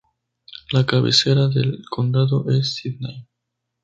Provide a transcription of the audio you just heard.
La cabecera del condado es Sidney.